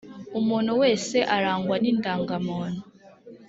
umuntu wese arangwa ni ndangamuntu